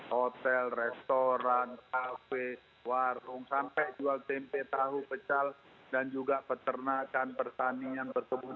hotel restoran kafe warung sampai jual tempe tahu pecal dan juga peternakan pertanian berkebun